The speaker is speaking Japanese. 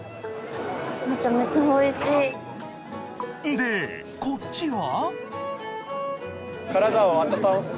［でこっちは？］